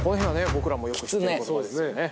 僕らもよく知ってる言葉ですね。